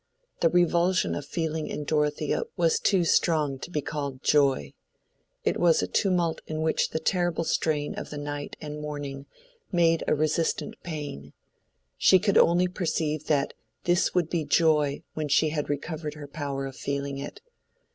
The revulsion of feeling in Dorothea was too strong to be called joy. It was a tumult in which the terrible strain of the night and morning made a resistant pain:—she could only perceive that this would be joy when she had recovered her power of feeling it.